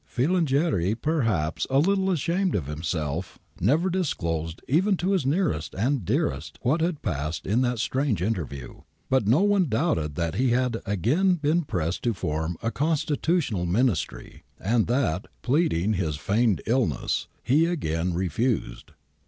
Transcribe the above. Filangieri, perhaps a little ashamed of himself, never dis closed even to his nearest and dearest what had passed in that strange interview, but no one doubted that he had again been pressed to form a constitutional Ministry, and that, pleading his feigned illness, he had again refused.'